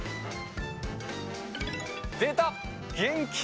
出た！